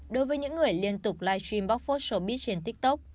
đối với những người liên tục livestream bóc phốt showbiz trên tiktok